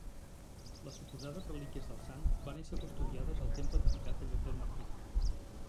Les suposades relíquies del sant van ésser custodiades al temple edificat al lloc del martiri.